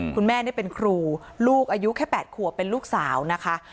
คุณแม่นี่เป็นครูลูกอายุแค่๘ขวบเป็นลูกสาวนะคะ